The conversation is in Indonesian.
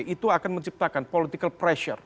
itu akan menciptakan political pressure